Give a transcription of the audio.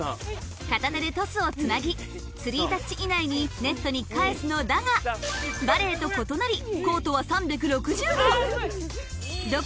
片手でトスをつなぎ３タッチ以内にネットに返すのだがバレーと異なりあ！